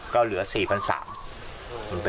ก็เหลือ๔๓๐๐บาท